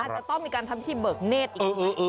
จะต้องมีการทำพิธีเบิกเนธอีกไหม